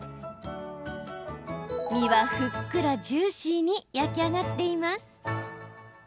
身はふっくらジューシーに焼き上がっています。